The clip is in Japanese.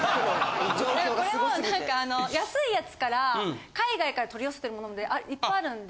これは何かあの安いやつから海外から取り寄せてるモノまでいっぱいあるんで。